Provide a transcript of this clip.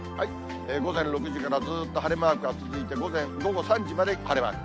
午前６時からずーっと晴れマークが続いて午後３時まで晴れマーク。